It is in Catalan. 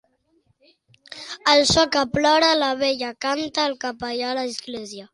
Al so que plora la vella canta el capellà a l'església.